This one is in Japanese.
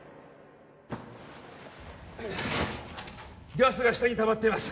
ガスが下にたまっています